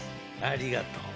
ありがとう。